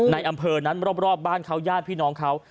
ในอำเภอนั้นรอบบ้านเขาญาติพี่น้องเขา